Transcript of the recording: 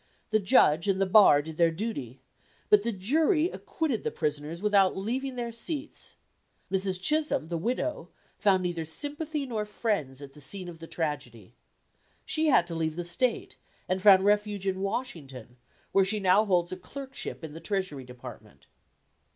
The judge and the bar did their duty, but the jury acquitted the prisoners without leaving their seats. Mrs. Chisholm, the widow, found neither sympathy nor friends at the scene of the tragedy. She had to leave the State, and found refuge in Washington, where she now holds a clerkship in the Treasury department.